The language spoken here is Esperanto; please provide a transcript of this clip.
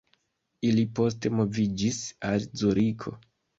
Ili poste moviĝis al Zuriko.